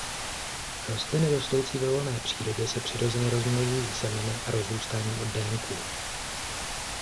Rostliny rostoucí ve volné přírodě se přirozeně rozmnožují semeny a rozrůstáním oddenků.